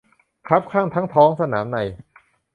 คับคั่งทั้งท้องสนามใน